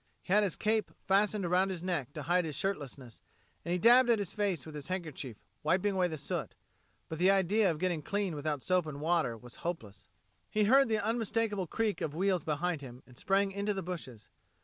He had his cape fastened around his neck to hide his shirtlessness, and he dabbed at his face with his handkerchief, wiping away the soot. But the idea of getting clean without soap and warm water was hopeless. He heard the unmistakable creak of wheels behind him, and sprang into the bushes.